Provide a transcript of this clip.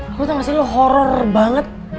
aku tau gak sih lo horror banget